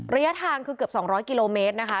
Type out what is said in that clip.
ระยะทางคือเกือบ๒๐๐กิโลเมตรนะคะ